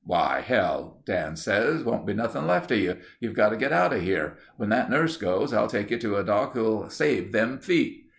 'Why hell,' Dan says. 'Won't be nothing left of you. You've got to get outa here. When that nurse goes, I'll take you to a doc who'll save them feet.